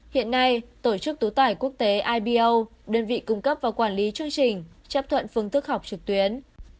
hiện nay tổ chức tối tải quốc tế ibo đơn vị cung cấp và quản lý chương trình chấp thuận phương thức học trực tuyến